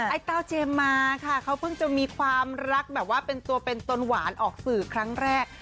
ไอ้เต้าเจมมาค่ะเขาเพิ่งจะมีความรักแบบว่าเป็นตัวเป็นตนหวานออกสื่อครั้งแรก